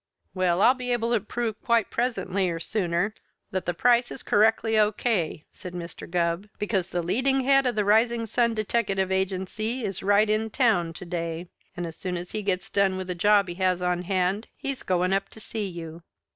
"Well, I'll be able to prove quite presently or sooner that the price is correctly O.K.," said Mr. Gubb, "because the leading head of the Rising Sun Deteckative Agency is right in town to day, and as soon as he gets done with a job he has on hand he's going up to see you.